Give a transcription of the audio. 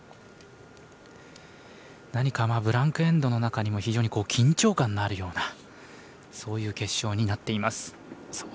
何かブランク・エンドの中にも緊張感のあるようなそういう決勝になっています。